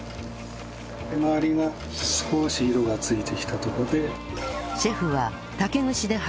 周りが少し色がついてきたところで。